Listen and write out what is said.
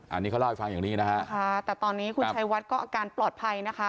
อันนี้เขาเล่าให้ฟังอย่างนี้นะฮะค่ะแต่ตอนนี้คุณชัยวัดก็อาการปลอดภัยนะคะ